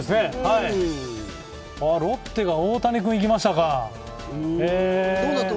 ロッテが大谷君いきましたか、へえ。